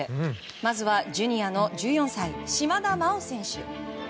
まずはジュニアの１４歳島田麻央選手。